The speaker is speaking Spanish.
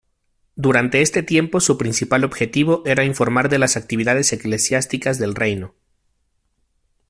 Durante este tiempo su principal objetivo era informar de las actividades eclesiásticas del reino.